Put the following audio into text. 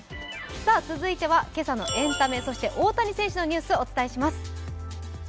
続いては今朝のエンタメそして大谷選手のニュースをお伝えします。